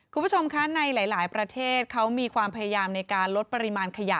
คุณผู้ชมคะในหลายประเทศเขามีความพยายามในการลดปริมาณขยะ